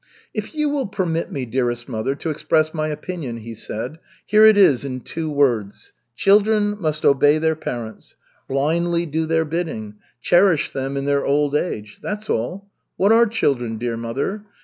"If you will permit me, dearest mother, to express my opinion," he said, "here it is in two words: children must obey their parents, blindly do their bidding, cherish them in their old age. That's all! What are children, dear mother?